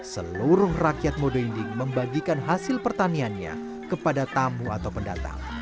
seluruh rakyat modo inding membagikan hasil pertaniannya kepada tamu atau pendatang